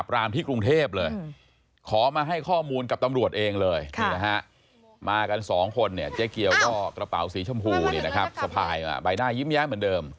ราเป่าสีชมพูสะพายใบหน้ายิ้มแย้งเหมือนเดิม